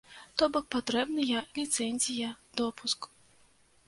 То бок патрэбныя ліцэнзія, допуск.